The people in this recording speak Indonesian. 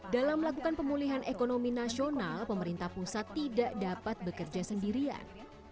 dalam melakukan pemulihan ekonomi nasional pemerintah pusat tidak dapat bekerja sendirian